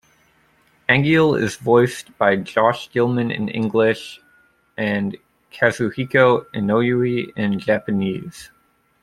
Angeal is voiced by Josh Gilman in English and Kazuhiko Inoue in Japanese.